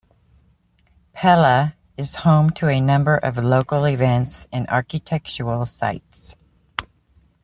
Pella is home to a number of local events and architectural sites.